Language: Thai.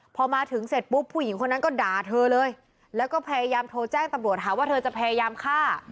พอมาถึงเสร็จปุ๊บผู้หญิงคนนั้นก็ด่าเธอเลยแล้วก็พยายามโทรแจ้งตำรวจหาว่าเธอจะพยายามฆ่า